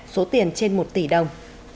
số tiền trên một tỷ đồng